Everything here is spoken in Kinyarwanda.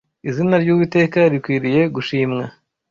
Izina ry’Uwiteka rikwiriye gushimwa.